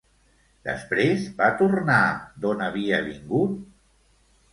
Després, va tornar d'on havia vingut?